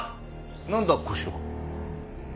何だ小四郎。